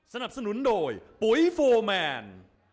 สนับสนุนโดยปุ๋ยโฟร์แมน